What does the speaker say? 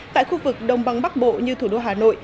tại khu vực đông băng bắc bộ như thủ đô hà nội